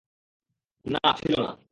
না, ছিল না।